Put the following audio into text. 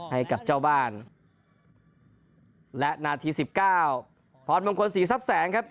ให้กับเจ้าบ้านและนาทีสิบเก้าพรมงคลศรีทรัพย์แสงครับ